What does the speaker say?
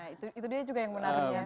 iya itu dia juga yang menarik ya pak